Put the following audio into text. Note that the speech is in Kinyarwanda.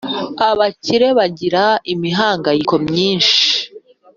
Abakire bagira imihangayiko myinshi